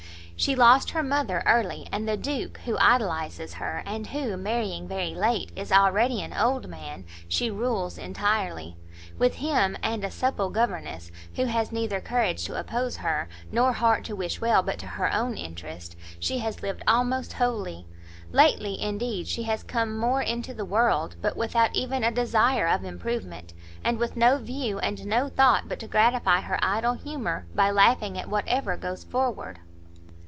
she lost her mother early; and the Duke, who idolizes her, and who, marrying very late, is already an old man, she rules entirely; with him, and a supple governess, who has neither courage to oppose her, nor heart to wish well but to her own interest, she has lived almost wholly. Lately, indeed, she has come more into the world, but without even a desire of improvement, and with no view and no thought but to gratify her idle humour by laughing at whatever goes forward."